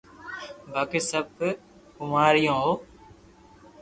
باقي سب ڪوواريو ھو